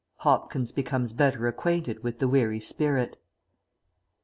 HOPKINS BECOMES BETTER ACQUAINTED WITH THE WEARY SPIRIT.